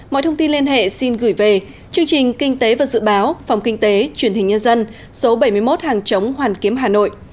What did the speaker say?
mọi thông tin liên hệ xin gửi về chương trình kinh tế và dự báo phòng kinh tế truyền hình nhân dân số bảy mươi một hàng chống hoàn kiếm hà nội